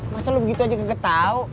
masa lo begitu aja nggak ketau